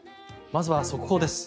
まずは速報です。